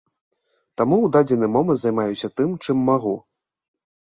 Таму ў дадзены момант займаюся тым, чым магу.